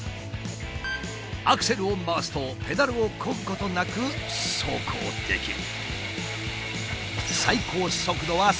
アクセルを回すとペダルをこぐことなく走行できる。